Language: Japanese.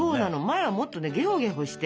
前はもっとゲホゲホして。